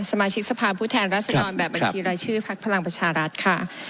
สมาชิกสภาพผู้แทนรัศดรแบบบัญชีรายชื่อพักพลังประชารัฐค่ะ